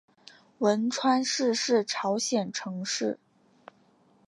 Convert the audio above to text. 文川市是朝鲜城市。